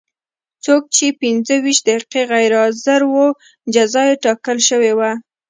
څوک چې پنځه ویشت دقیقې غیر حاضر و جزا یې ټاکل شوې وه.